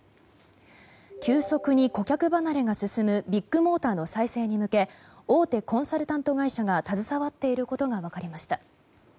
急速に顧客離れが進むビッグモーターの再生に向け大手コンサルタント会社が携わっていることが分かりました。